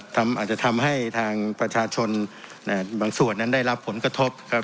อาจจะทำให้ทางประชาชนบางส่วนนั้นได้รับผลกระทบครับ